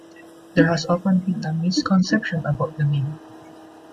There has often been a misconception about the name.